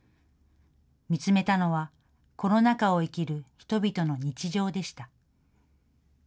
見つめたのは、コロナ禍を生きる人々の日常でした。